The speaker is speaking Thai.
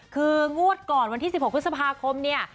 คืองวดก่อนวันที่๑๖พฤษภาคมเนี่ย